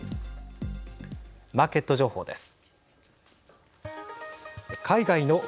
マーケット情報です。